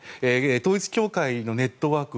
統一教会のネットワーク